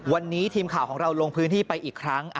วันนี้ทีมข่าวของเราลงพื้นที่ไปอีกครั้ง